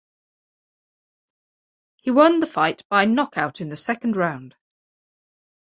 He won the fight by knockout in the second round.